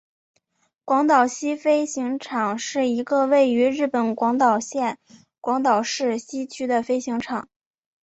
广岛西飞行场是一个位于日本广岛县广岛市西区的飞行场。